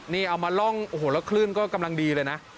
นี่เอามาล่องโอ้โหแล้วคลื่นก็กำลังดีเลยนะ